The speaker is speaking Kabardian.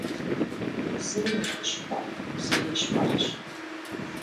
Зым и хущхъуэ зым и щхъухьщ.